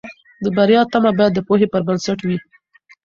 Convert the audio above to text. د بریا تمه باید د پوهې پر بنسټ وي.